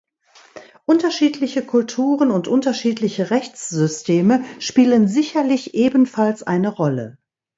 Unterschiedliche Kulturen und unterschiedliche Rechtssysteme spielen sicherlich ebenfalls eine Rolle.